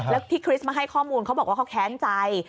แล้วที่คริสต์มาให้ข้อมูลเขาบอกว่าเขาแค้นใจ